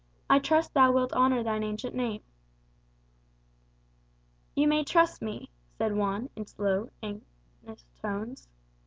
I trust thou wilt honour thine ancient name." "You may trust me," said Juan, in slow, earnest tones.